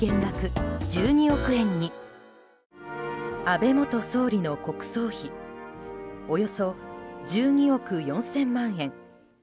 安倍元総理の国葬費およそ１２億４０００万円。